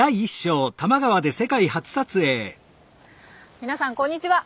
みなさんこんにちは。